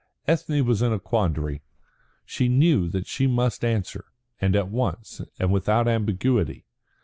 Ethne was in a quandary. She knew that she must answer, and at once and without ambiguity.